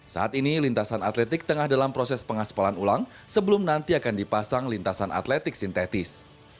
saat ini lintasan atletik tengah dalam proses pengaspalan ulang sebelum nanti akan dipasang lintasan atletik sintetis